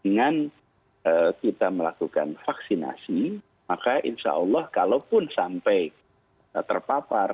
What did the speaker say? dan dengan kita melakukan vaksinasi maka insya allah kalaupun sampai terpapar